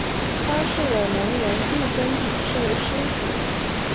章氏的门人亦尊蒋氏为师祖。